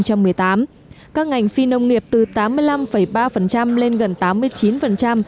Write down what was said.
các ngành phi nông nghiệp từ tám mươi năm ba lên gần tám mươi chín